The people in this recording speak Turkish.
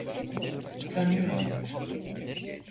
Utanıyordum...